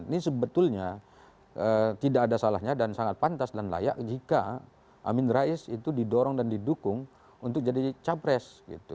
ini sebetulnya tidak ada salahnya dan sangat pantas dan layak jika amin rais itu didorong dan didukung untuk jadi capres